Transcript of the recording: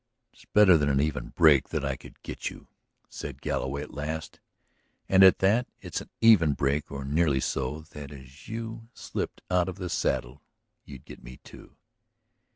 "It's better than an even break that I could get you," said Galloway at last. "And, at that, it's an even break or nearly so, that as you slipped out of the saddle you'd get me, too.